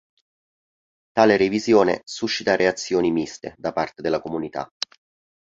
Tale revisione suscita reazioni miste da parte della comunità.